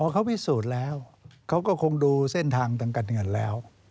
เขาพิสูจน์แล้วเขาก็คงดูเส้นทางทางการเงินแล้ว